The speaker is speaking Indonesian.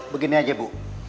begini aja bu